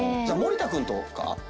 じゃあ森田君とか？